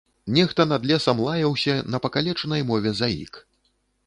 Нехта над лесам лаяўся на пакалечанай мове заік.